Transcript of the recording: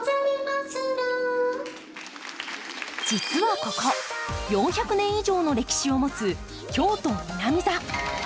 実はここ、４００年以上の歴史を持つ京都・南座。